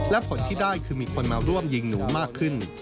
และผลที่ได้คือมีคนมาร่วมยิงหนูมากขึ้น